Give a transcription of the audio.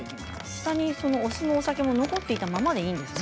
下に、お酢もお酒も残っていたままでいいんですね。